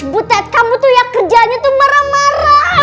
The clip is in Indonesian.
butet kamu tuh kerjaannya marah marah